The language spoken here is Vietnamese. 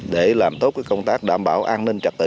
để làm tốt công tác đảm bảo an ninh trật tự